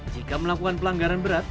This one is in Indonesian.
jika melakukan pelanggaran